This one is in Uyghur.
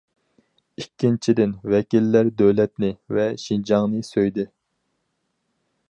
ئىككىنچىدىن، ۋەكىللەر دۆلەتنى ۋە شىنجاڭنى سۆيدى.